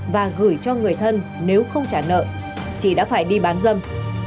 và gửi cho người thân nếu không trả nợ chị đã phải đi bán dâm